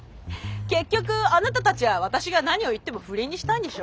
結局あなたたちは私が何を言っても不倫にしたいんでしょ？